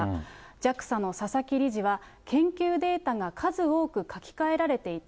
ＪＡＸＡの佐々木理事は研究データが数多く書き換えられていた。